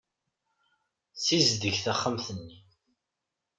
Ssizdeg taxxamt-nni.